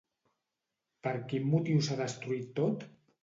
Per quin motiu s'ha destruït tot?